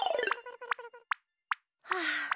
はあ。